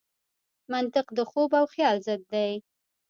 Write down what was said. منطق د خوب او خیال ضد دی.